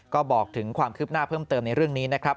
ก็บอกถึงความคืบหน้าเพิ่มเติมในเรื่องนี้นะครับ